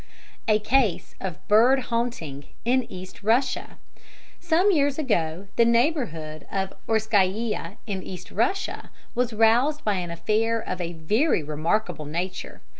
A Case of Bird haunting in East Russia Some years ago the neighbourhood of Orskaia, in East Russia, was roused by an affair of a very remarkable nature.